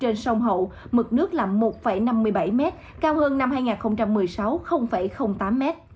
trên sông hậu mực nước là một năm mươi bảy m cao hơn năm hai nghìn một mươi sáu tám m